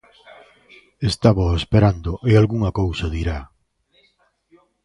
Estábao esperando e algunha cousa dirá.